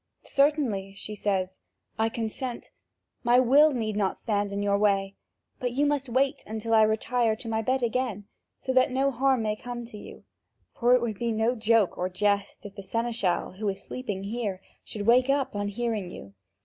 "Certainly," she says, "I consent. My will need not stand in your way; but you must wait until I retire to my bed again, so that no harm may come to you, for it would be no joke or jest if the seneschal, who is sleeping here, should wake up on hearing you.